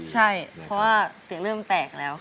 ใช่เพราะว่าเสียงเริ่มแตกแล้วค่ะ